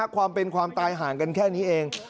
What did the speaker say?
ความเป็นความตายห่างกันแค่นี้เอง